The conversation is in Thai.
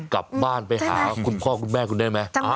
กลับบ้านไปหาคุณพ่อคุณแม่คุณได้ไหม